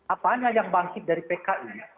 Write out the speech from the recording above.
apanya yang bangkit dari pki